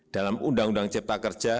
dalam undang undang cipta kerja